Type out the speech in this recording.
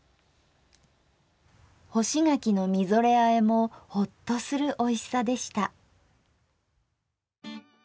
「干し柿のみぞれあえ」もホッとするおいしさでした。